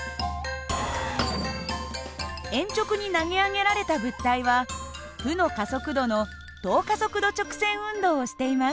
鉛直に投げ上げられた物体は負の加速度の等加速度直線運動をしています。